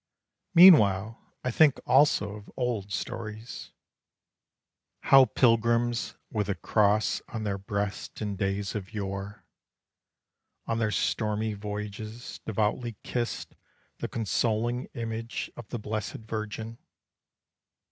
Meanwhile I think also of old stories; How pilgrims with the cross on their breast in days of yore, On their stormy voyages, devoutly kissed The consoling image of the blessed Virgin.